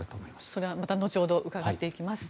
それはまた後ほど伺っていきます。